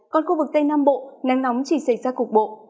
còn khu vực tây nam bộ nắng nóng chỉ xảy ra cục bộ